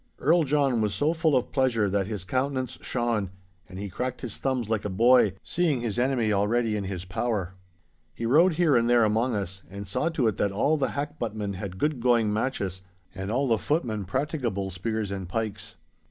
Earl John was so full of pleasure that his countenance shone, and he cracked his thumbs like a boy, seeing his enemy already in his power. He rode here and there among us, and saw to it that all the hackbuttmen had good going matches, and all the footmen practicable spears and pikes.